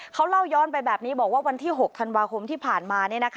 เขาเล่าย้อนไปแบบนี้บอกว่าวันที่๖ธันวาคมที่ผ่านมา